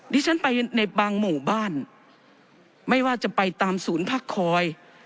ดิฉันไปในบางหมู่บ้านไม่ว่าจะไปตามศูนย์พักคอย